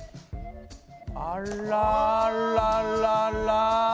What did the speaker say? あらららら。